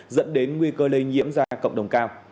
dẫn đến nguy cơ lây nhiễm ra cộng đồng cao